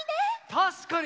たしかに！